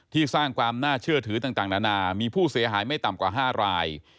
สร้างความน่าเชื่อถือต่างนานามีผู้เสียหายไม่ต่ำกว่า๕ราย